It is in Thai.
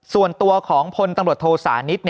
ส่วนตัวของพลตำรวจโทสานิท